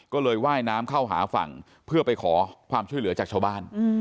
ก็เลยว่ายน้ำเข้าหาฝั่งเพื่อไปขอความช่วยเหลือจากชาวบ้าน